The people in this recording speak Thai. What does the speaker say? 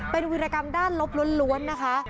เป็นวิรกรรมด้านลบล้วนนะคะ